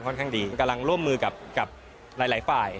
กำลังร่วมมือกับหลายฝ่าย